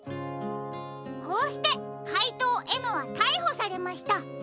こうしてかいとうＭはたいほされました。